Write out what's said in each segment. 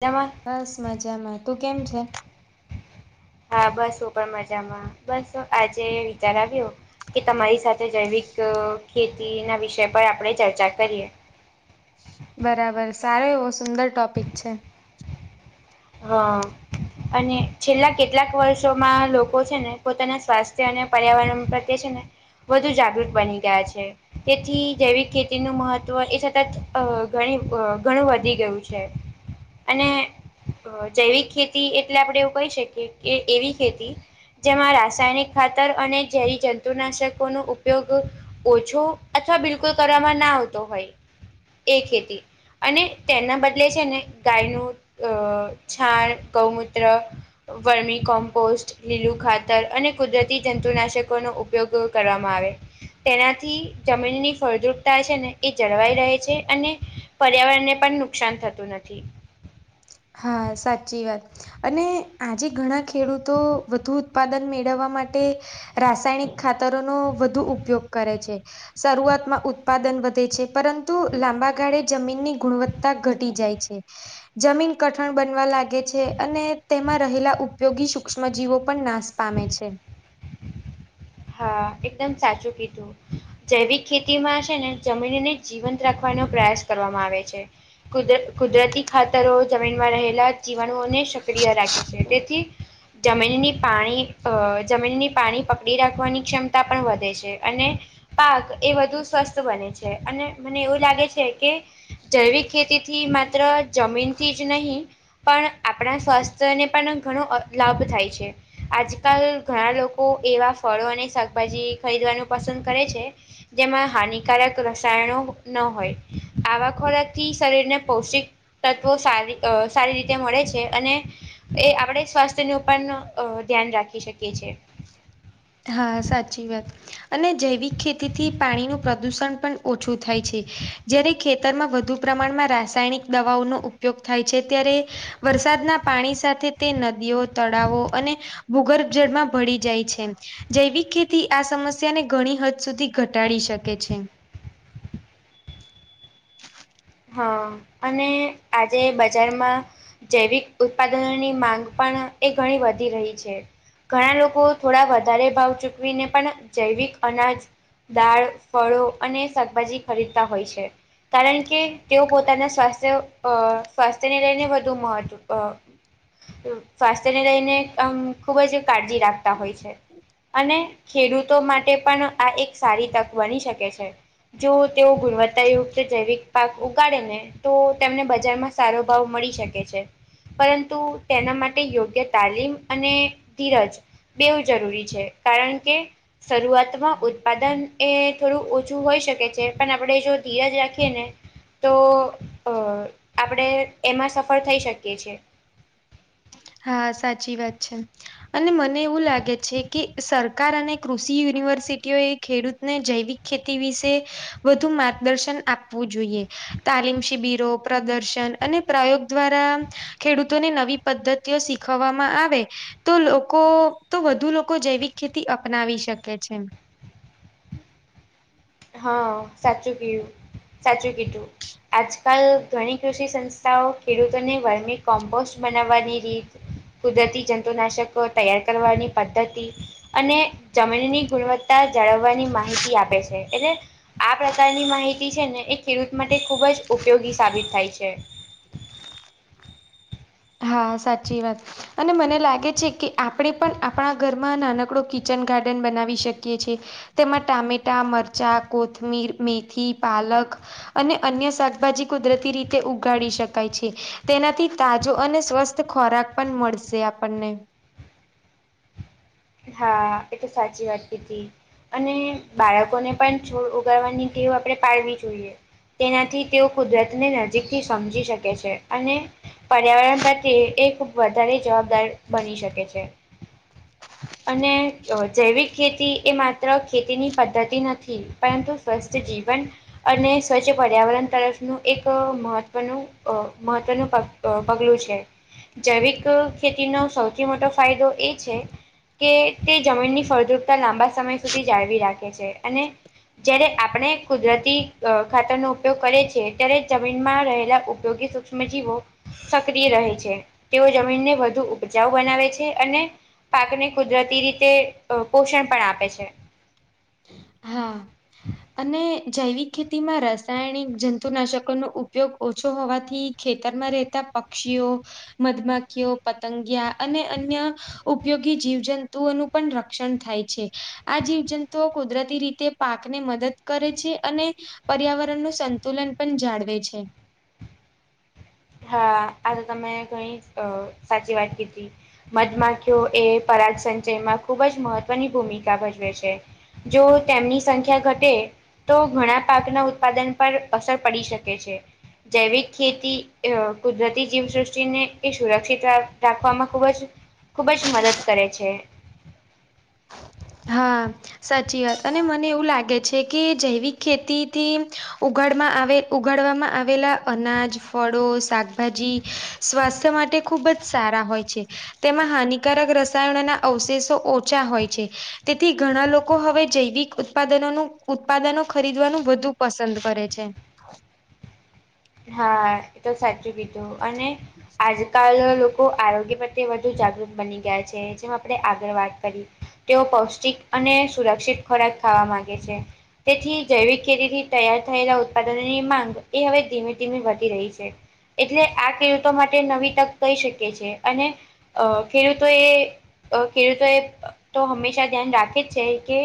મજામાં, બસ મજામાં તું કેમ છે? હા બસ હું પણ મજામાં બસ આજે વિચાર આવ્યો કે તમારી સાથે જૈવિક અ ખેતીના વિષય પર આપણેે ચર્ચા કરીએ. બરાબર, સારો એવો સુંદર ટોપિક છે. હા. અને છેલ્લા કેટલાક વર્ષોમાં લોકો છે ને પોતાના સ્વાસ્થ્ય અને પર્યાવરણ પ્રત્યે છે ને વધુ જાગૃત બની ગયા છે. તેથી જૈવિક ખેતીનું મહત્વ એ સતતણી ઘણું વધી ગયું છે. અને અ જૈવિક ખેતી એટલે આપણેે એવું કહી શકીએ કે એવી ખેતી જેમાં રાસાયણિક અને જંતુનાશકોનો ઉપયોગ ઓછો અથવા બિલકુલ કરવામાં ના આવતો હોય. એ ખેતી અને તેના બદલે છે ને ગાયનું... છણ, ગૌમૂત્ર- વર્મી કોમ્પોસ્ટ, લીલું ખાતર અને કુદરતી જંતુનાશકોનો ઉપયોગ કરવામાં આવે. તેનાથી જમીનની ફળદ્રુપતા છે ને એ જળવાઈ રહે છે અને... પર્યાવરણને પણ નુકસાન થતું નથી. હા, સાચી વાત. અને આજે ઘણા ખેડૂતો વધુ ઉત્પાદન મેળવવા માટે... રાસાયણિક ખાતરોનો વધુ ઉપયોગ કરે છે. શરૂઆતમાં ઉત્પાદન વધે છે, પરંતુ લાંબા ગાળે જમીનની ગુણવત્તા ઘટી જાય છે. જમીન... કઠણ બનવા લાગે છે અને તેમાં રહેલા ઉપયોગી સૂક્ષ્મજીીવો પણ નાશ પામે છે. હા, એકદમ સાચું કીધું. જૈવિક ખેતીમાં છે ને જમીનને જીવંત રાખવાનો પ્રયાસ કરવામાં આવે છે. કુદર કુદરતી ખાતરો જમીનમાં રહેલા જીવાણુઓને... જકડીયા રાખે છે, તેથી જમીનની પાણી અ જમીનની પાણી... રાખવાની ક્ષમતા પણ વધે છે અને... પાક એ વધુ સ્વસ્થ બને છે મને એવું લાગે છે કે... જૈવિક ખેતીથી માત્ર જમીનથી જ નહીં. પણ આપણા સ્વાસ્થ્યને પણ ઘણો જ લાભ થાય છે. આજકાલ ઘણા લોકો એવા ફળો અને શાકભાજી ખરીદવાનું પસંદ કરે છે. જેમાં હાનિકારક રસાયણો ન હોય, આવા ખોરાકથી શરીરને પૌષ્ટિક... તત્વો સારી અ સારી રીતે મળે છે, અને એ આપડે સ્વાસ્થ્યનું પણ ધ્યાન રાખી શકીએ છે. હા સાચી વાત અને જૈવિક ખેતીથી પાણીનું પ્રદુષણ પણ ઓછું થાય છે. જ્યારેે ખે તરમાં વધુ પ્રમાણમાં રાસાયણિક દવાઓનો ઉપયોગ થાય ત્યારે વરસાદના પાણી સાથે તે નદીઓ, તળાવો અને ભૂગર્ભ જળમાં ભળી જાય છે. જૈવિક ખેતી આ સમસ્યાને ઘણી હદ સુધી ઘટાડી શકે છે. હ અને આજે બજારમાં જૈવિક ઉત્પાદનોની માંગ પણ એ ઘણી વધી રહી છે. ઘણા લોકો થોડા વધારે ભાવ ચૂકવીને પણ જૈવિક અનાજ દાળ, ફળો, શાકભાજી ખરીદતા હોય છે. કારણ કે તેઓ પોતાના સ્વાસ્થ્ય અ સ્વાસ્થ્યને લઈને વધુ મહત્વ અ સ્વાસ્થ્યને લઈને આમ ખૂબ જ કાળજી રાખતા હોય છે. અને ખેડૂતો માટે પણ આ એક સારી તક બની શકે છે. જો તેઓ ગુણવત્તાયુક્ત જૈવિક પાક ઉ કાડે ને તો તેમને બજારમાં સારો ભાવ મળી શકે છે. પરંતુ તેના માટે યોગ્ય તાલીમ અને ધીરજ બેવ જરૂરી છે, કારણ કે શરૂઆતમાં ઉત્પાદન એ થોડું ઓછું હોઈ શકે છે, પણ આપણે જો ધીરજ રાખીએ ને તો અ આપણે એમાં સફળ થઈ શકીએ છે. હા સાચી વાત છે. અને મને એવું લાગે છે, કે સરકાર અને કૃષિ યુનિવર્સિટીઓએ ખેડૂતને જૈવિક ખેતી વિશે વધુ માર્ગદર્શન આપવું જોઈએ. તાલીમ, શિબિરો, પ્રદર્શન અને પ્રયોગ દ્વારા ખેડૂતોને નવી પદ્વ તીઓ શીખવવામાં આવે તો લોકો તો વધુ લોકો જૈવિક ખેતી અપનાવી શકે છે. હ સાચું કીયું સાચું કીધું આજકાલ ઘણી કૃષિ સંસ્થાઓ ખેડૂતોને વર્મી કોમ્પોસ્ટ બનાવવાની રીત કુદરતી જંતુનાશક તૈયાર કરવાની પદ્ધતિ અને જમીનની ગુણવત્તા જાળવવાની માહિતી આપે છે. એટલે આ પ્રકારની માહિતી છે, ને એ ખેડૂત માટે ખૂબ જ ઉપયોગી સાબિત થાય છે. હા સાચી વાત અને મને લાગે છે, કે આપણે પણ આપણા ઘરમાં નાનકડો કિચન ગાર્ડન બનાવી શકીએ છે. તેમાં ટામેટા, મરચાં, કોથમીર, મેથી, પાલક અને અન્ય શાકભાજી કુદરતી રીતે ઉગાડી શકાય છે, તેનાથી તા જો અને સ્વસ્થ ખોરાક પણ મળશે આપણને હા એ તો સાચી વાત કીધી. અને બાળકોને પણ છોડ ઉગાડવાની ટેવ આપણે પાડવી જોઈએ. તેનાથી તેઓ કુદરતને નજીકથી સમજી શકે છે, અને પર્યાવરણ પ્રત્યે એ વધારે જવાબદાર બની શકે છે. અને જૈવિક ખેતી એ માત્ર ખેતીની પદ્ધતિ નથી પરંતુ સ્વસ્થ જીવન અને સ્વચ્છ પર્યાવરણ તરફનું એક મહત્વનું અ મહત્વનું પ અ પગલું છે, જૈવિક ખેતીનો સૌથી મોટો ફાયદો એ છે. કે તે જમીનની ફળદ્રુપતા લાંબા સમય સુધી જાળવી રાખે છે, અને જયારે આપણે કુદરતી અ ખાતરનો ઉપયોગ કરએ છીએ ત્યારે જમીનમાં રહેલા ઉપયોગી સુ મે જીવો સક્રિય રહે છે તેઓ જમીનને વધુ ઉપજાઉ બનાવે છે અને પાકને કુદરતી રીતે અ પોષણ પણ આપે છે. હા. અને જૈવિક ખેતીમાં રાસાયણિક જંતુનાશકોનો ઉપયોગ ઓછો હોવાથી ખેતરમાં રહેતા પક્ષીઓ મધમાખીઓ પતંગિયા અને અન્ય ઉપયોગી જીવજંતુઓનું પણ રક્ષણ થાય આ જીવજંતુ તો કુદરતી રીતે પાકને મદદ કરે છે અને પર્યાવરણ નું સંતુલન પણ જાળવે છે. હા આતો તમે ઘણી અ સાચી વાત કીધી. મધમાખીઓ એ પરાગસંચયમાં ખૂબ જ મહત્વની ભૂમિકા ભજવે છે. જો તેમની સંખ્યા ઘટે તો ઘણા પાકના ઉત્પાદન પર અસર પડી શકે છે જૈવિક ખેતી એવ કુદરતી જીવસૃષ્ટિને એ સુરક્ષિત રાખવામાં ખૂબ જ ખૂબજ મદદ કરે છે. હા. સાચી વાત અને મને એવું લાગે છે કે જૈવિક ખેતી થી ઉગાડમાં આવે ઉગાડવામાં આવેલા અનાજ ફળો શાકભાજી સ્વાસ્થ્ય માટે ખૂબ જ સારા હોય છે તેમાં હાનિકારક રસાયણના અવશેષો ઓછા હોય છે તેથી ઘણા લોકો હવે જૈવિક ઉત્પાદનોનું ઉત્પાદનો ખરીદવાનું વધુ પસંદ કરે છે. હા એ તો સાચું કીધું અને આજ કાલના લોકો આરોગ્ય પ્રત્યે વધુ જાગૃત બની ગયા છે જેમ આપણે આગળ વાત કરી તેઓ પૌષ્ટિક અને સુરક્ષિત ખોરાક ખાવા માંગે છે. તેથી જૈવિક ખેતીથી તૈયાર થયેલા ઉત્પાદનોની માંગ એ હવે ધીમે ધીમે વધી રહી છે. એટલે આ ખેડૂતો માટે નવી તક કહી શકે છે અને અ ખેડૂતો એ અ ખેડૂતો એ તો હંમેશા ધ્યાન રાખે જ છે કે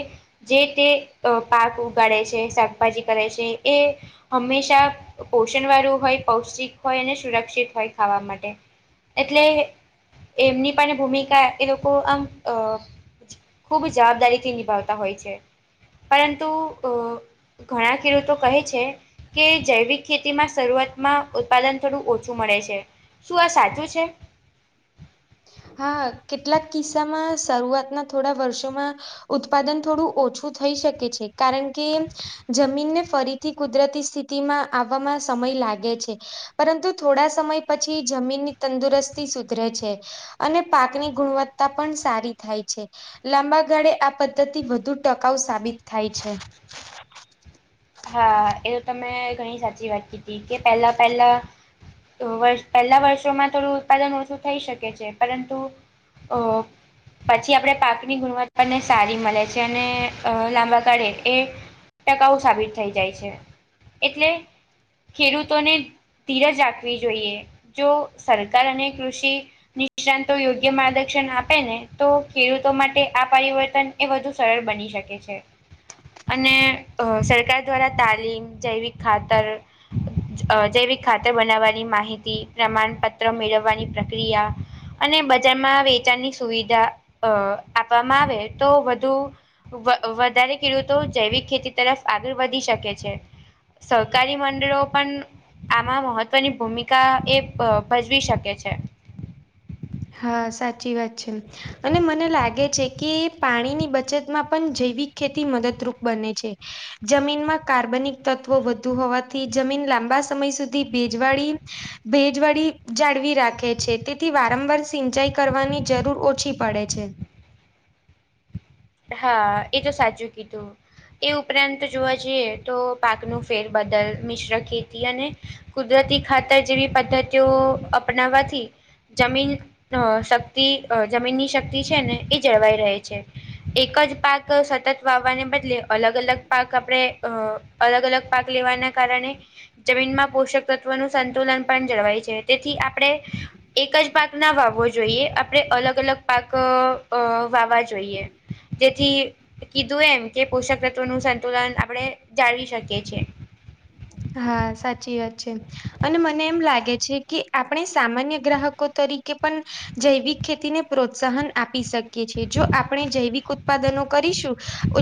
જે તે અ પાક ઉગાડે છે શાકભાજી કરે છે એ હમેશા પોષણવાળું હોય પૌષ્ટિક હોય અને સુરક્ષિત હોય ખાવા માટે એટલે એમની પણ ભૂમિકા એ લોકો આમ અ ખુબ જવાબદારીથી નિભાવતા હોય છે. પરંતુ અ ઘણા ખેડૂતો કહે છે કે જૈવિક ખેતીમાં શરૂઆતમાં ઉત્પાદન થોડું ઓછું મળે છે શું આ સાચું છે. હા કેટલાક કિસ્સામાં શરૂઆતના થોડા વર્ષોમાં ઉત્પાદન થોડું ઓછું થઈ શકે છે કારણ કે જમીનને ફરી થી કુદરતી સ્થિતિમાં આવવામાં સમય લાગે છે પરંતુ થોડા સમય પછી જમીનની તંદુરસ્તી સુધરે છે અને પાકની ગુણવત્તા પણ સારી થાય છે. લાબા ગાળે આ પદ્ધતિ વધુ ટકાઉ સાબિત થાય છે. હા એ તમે ઘણી સાચી વાત કીધી કે પહેલા પહેલા તો વર પહેલા વર્ષોમાં થોડું ઉત્પાદન ઓછું થઈ શકે છે પરંતુ ઓ પછી આપણે પાકની ગુણવત્તાને સારી મળે છે અને અ લાંબા કાળે એ ટકાઉ સાબિત થઈ જાય છે એટલે ખેડૂતોને ધીરજ રાખવી જોઈએ જો સરકાર અને કૃષિ નિષ્ણાતો યોગ્ય માર્ગદર્શન આપે ને તો ખેડૂતો માટે આ પરિવર્તન એ વધુ સરળ બની શકે છે અને સરકાર દ્વારા તાલીમ, જૈવિક ખાતર [inaudible] અ જૈવિક ખાતર બનાવવાની માહિતી પ્રમાણપત્ર મેળવવાની પ્રક્રિયા અને બજારમાં વેચાણની સુવિધા અ આપવામાં આવે તો વધુ વ વધારે ખેડૂતો જૈવિક ખેતી તરફ આગળ વધી શકે છે. સહકારી મંડળો પણ આમાં મહત્વની ભૂમિકા એ ભજવી શકે છે. હા, સાચી વાત છે. અને મને લાગે છે કે પાણીની બચતમાં પણ જૈવિક ખેતી મદદરૂપ બને છે. જમીનમાં કાર્બનિક તત્વો વધુ હોવાથી જમીન લાંબા સમય સુધી ભેજવાળી ભેજવાળી જાળવી રાખે છે તેથી વારંવાર સિંચાઈ કરવાની જરૂર ઓછી પડે છે. હા, એ તો સાચું કીધું. એ ઉપરાંત જોવા જઈએ તો પાકનું ફેરબદલ મિશ્ર ખેતી અને કુદરતી ખાતર જેવી પદ્ધતિઓ અપનાવવાથી જમીન અ શક્તિ અ જમીનની શક્તિ છે ને એ જળવાઈ રહે છે. એક જ પાક સતત વાવવાને બદલે અલગ-અલગ પાક આપણેે અ અલગ-અલગ પાક લેવાના કારણે જમીનમાં પોષક તત્વનું સંતુલન પણ જળવાય તેથી આપણે એક જ પાક ના વાવવો જોઈએ આપણે અલગ-અલગ પાક અ વાવા જોઈએ. જેથી કીધું એમ કે પોષક તત્વોનું સંતુલન આપણે જાળવી શકીએ છે. હા, સાચી વાત છે. અને મને એમ લાગે છે કે આપણે સામાન્ય ગ્રાહકો તરીકે પણ જૈવિક ખેતીને પ્રોત્સાહન આપી શકીએ છે. એ જો આપણે જૈવિક ઉત્પાદનો કરીશું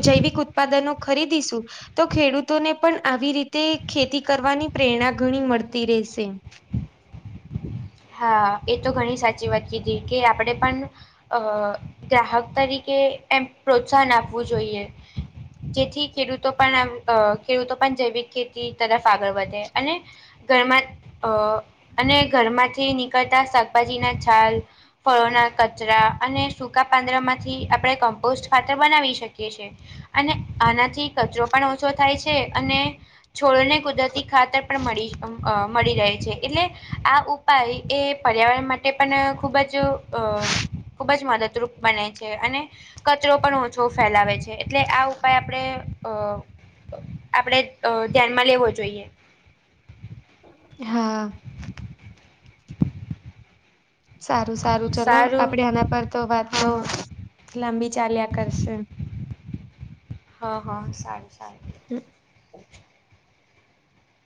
જૈવિક ઉત્પાદનો ખરીદીશું તો ખેડૂતોને પણ આવી રીતે ખેતી કરવાની પ્રેરણા ઘણી મળતી રહેશે. હા, એ તો ઘણી સાચી વાત કીધી કે આપડે પણ હ ગ્રાહક તરીકે એમ પ્રોત્સાહન આપવું જોઈએ. જેથી ખેડૂતો પણ આમ અહ ખેડૂતો પણ જૈવિક ખતી તરફ આગળ વધે અને ઘરમાં જ અહ અને ઘરમાં થી નીકળતા શાકભાજીના છાલ ફળોના કચરા અને સૂકા પાંદડામાંથી આપણે કોમ્પોસ્ટ ખાતર બનાવી શકીએ. છીયે અને આનાથી કચરો પણ ઓછો થાય છે અને છોડને કુદરતી ખાતર પણ મળી ઉમ અહ મળી રહે છે એટલે આ ઉપાઈ એ પર્યાવરણ માટે પણ ખૂબ જ અ ખૂબ જ મદદરૂપ બને છે અને કચરો પણ ઓછો ફેલાવે છે એટલે આ ઉપાય આપણે અહ આપણેે અહ ધ્યાનમાં લેવો જોઈએ‌. હા. સારું સારું ચલો આપડે આના પર તો વાત હા તો હા લાંબી ચાલ્યા કરશે. હ-હ સારું સારું.